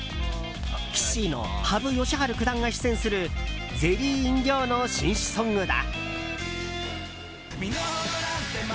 棋士の羽生善治九段が出演するゼリー飲料のＣＭソングだ。